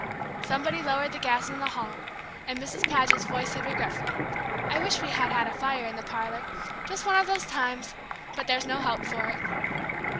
Somebody lowered the gas in the hall, and Mrs. Paget's voice said regretfully, "I wish we had had a fire in the parlor just one of the times! but there's no help for it."